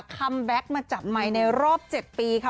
คัมแบ็คมาจับใหม่ในรอบ๗ปีค่ะ